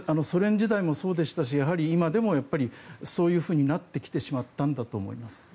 ソ連時代もそうでしたし今もやっぱりそういうふうになってきてしまったんだと思います。